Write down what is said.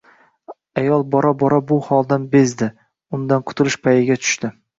Ayol bora-bora bu holdan bezdi, undan qutulish payiga tushdi